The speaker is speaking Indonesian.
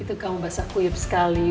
itu kamu basah kuyup sekali